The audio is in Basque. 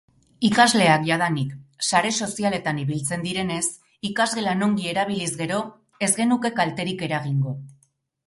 Ikasleak jadanik sare sozialetan ibiltzen direnez, ikasgelan ongi erabiliz gero ez genuke kalterik eragingo.